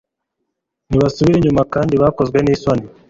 Nibasubire inyuma kandi bakozwe isoni